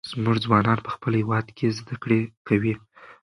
زموږ ځوانان به په خپل هېواد کې زده کړې کوي.